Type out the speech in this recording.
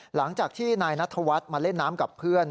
หลังจากที่นายนัทวัฒน์มาเล่นน้ำกับเพื่อน